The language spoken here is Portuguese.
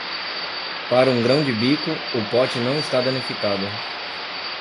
Para um grão de bico, o pote não está danificado.